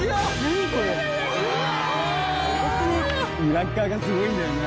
裏側がすごいんだよな。